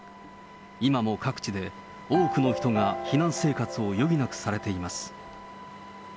今も各地で多くの人が避難生活を余儀なくされています。